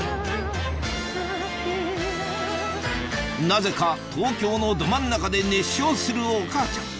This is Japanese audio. なぜか東京のど真ん中で熱唱するお母ちゃん